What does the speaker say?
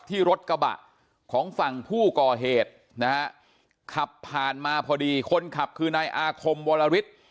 ที่รถกระบะของฝั่งผู้ก่อเหตุนะฮะขับผ่านมาพอดีคนขับคือนายอาคมวรฤทธิ์